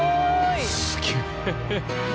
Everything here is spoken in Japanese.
すげえ！